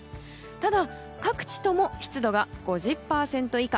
ただ、各地とも湿度が５０％以下。